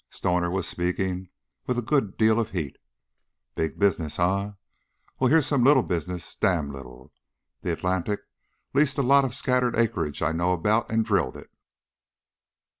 Stoner was speaking with a good deal of heat. "Big business, eh? Well, here's some little business dam' little. The Atlantic leased a lot of scattered acreage I know about and drilled it.